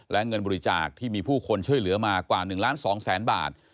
และเงินบริจาคที่มีผู้คนช่วยเหลือมากว่า๑ล้าน๒แสนบาท